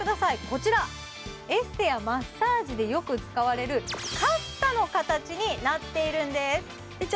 こちらエステやマッサージでよく使われるカッサの形になっているんですえっ